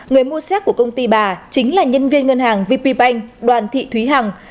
người mua xét của công ty bà chính là nhân viên ngân hàng vp bank đoàn thị thúy hằng